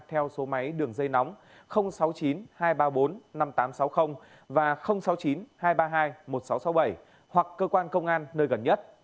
theo số máy đường dây nóng sáu mươi chín hai trăm ba mươi bốn năm nghìn tám trăm sáu mươi và sáu mươi chín hai trăm ba mươi hai một nghìn sáu trăm sáu mươi bảy hoặc cơ quan công an nơi gần nhất